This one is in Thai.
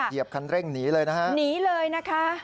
เหยียบคันเร่งหนีเลยนะคะ